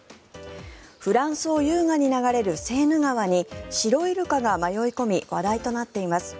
フランスを優雅に流れるセーヌ川にシロイルカが迷い込み話題となっています。